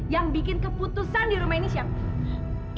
yang bikin keputusan di rumah ini siapa